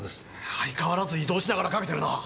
相変わらず移動しながらかけてるな。